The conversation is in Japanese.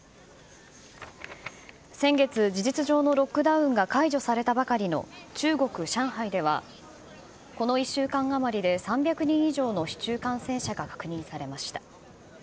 先月、事実上のロックダウンが解除されたばかりの中国・上海では、この１週間余りで３００人以上の市中感染者が確認されました。